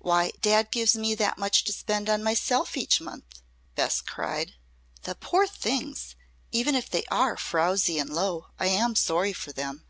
Why, dad gives me that much to spend on myself each month," Bess cried. "The poor things! Even if they are frowsy and low, I am sorry for them.